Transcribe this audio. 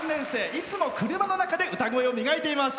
いつも車の中で歌声を磨いています。